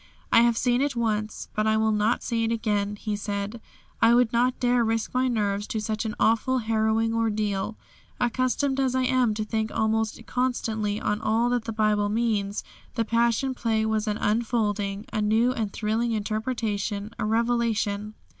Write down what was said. "I have seen it once, but I would not see it again," he said, "I would not dare risk my nerves to such an awful, harrowing ordeal. Accustomed as I am to think almost constantly on all that the Bible means, the Passion Play was an unfolding, a new and thrilling interpretation, a revelation.